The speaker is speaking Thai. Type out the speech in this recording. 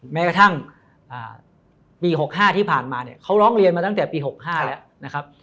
แม้กระทั่งปี๖๕ที่ผ่านมาเนี่ยเขาร้องเรียนมาตั้งแต่ปี๖๕แล้วนะครับ